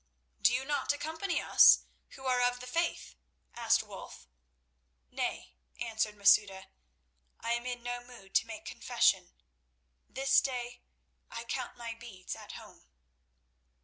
"Do you not accompany us, who are of the faith?" asked Wulf. "Nay," answered Masouda, "I am in no mood to make confession. This day I count my beads at home."